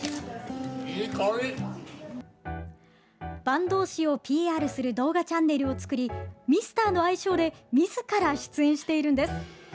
坂東市をＰＲする動画チャンネルを作りミスターの愛称で自ら出演しているんです。